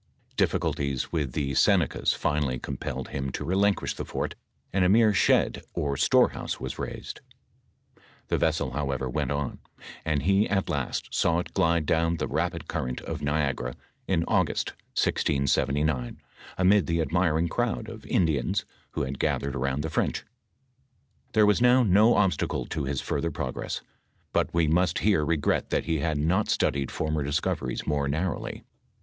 DiflSculties wfth the Senecas finally compelled him to relin quish the fort, and a mere shed or storehouse was raised. The vessel, however, went on, and he at last saw it glide down into the rapid current of Niagara in August, 1679, amid the admiring crowd of Indians who had gathered around the French. Tliere was now no obstacle to his further progress, but we ranet here regret that he had not studied former discoveries more narrowly.